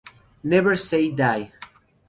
Never Say Die!